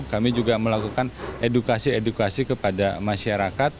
kami juga melakukan edukasi edukasi kepada masyarakat